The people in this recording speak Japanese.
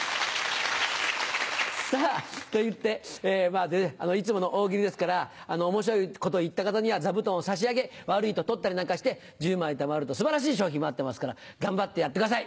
さぁといってまぁねいつもの「大喜利」ですから面白いこと言った方には座布団を差し上げ悪いと取ったりなんかして１０枚たまると素晴らしい賞品待ってますから頑張ってやってください。